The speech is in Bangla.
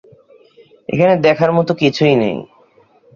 এখানে দেখার মতো কিছুই নেই।